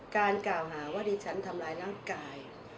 การกล่าวหาว่าดิฉันทำร้ายร่างกาย